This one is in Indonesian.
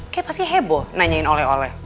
kayaknya pasti heboh nanyain oleh oleh